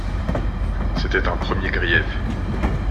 C'était un premier grief.